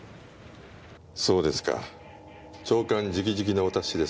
そうですか長官直々のお達しですか。